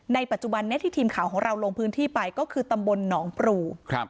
ปัจจุบันนี้ที่ทีมข่าวของเราลงพื้นที่ไปก็คือตำบลหนองปรูครับ